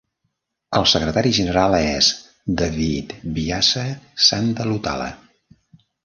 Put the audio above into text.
El secretari general és David Byaza Sanda Lutala.